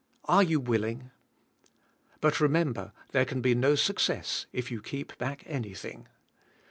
Are jou willing? But remember, there can be no success if you keep back anything.